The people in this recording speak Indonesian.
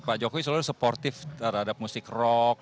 pak jokowi selalu supportif terhadap musik rock